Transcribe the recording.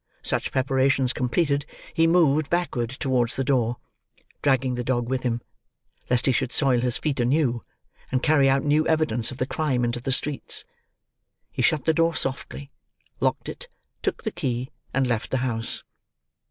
Such preparations completed, he moved, backward, towards the door: dragging the dog with him, lest he should soil his feet anew and carry out new evidence of the crime into the streets. He shut the door softly, locked it, took the key, and left the house.